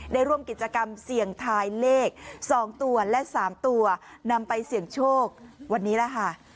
ได้ร่วมกิจกรรมเสี่ยงทายเลข๒ตัวและ๓ตัวนำไปเสี่ยงโชควันนี้แหละค่ะ